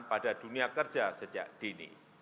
pada dunia kerja sejak dini